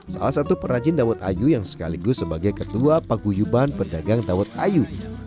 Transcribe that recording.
salah satu perajin dawat ayu yang sekaligus sebagai ketua paguyuban perdagang dawat ayu